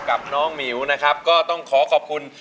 กับน้องหมิวนะครับก็ต้องขอขอบคุณ